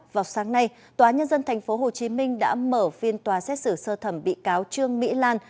vào sáng nay tòa nhân dân tp hcm đã mở phiên tòa xét xử sơ thẩm bị cáo trương mỹ lan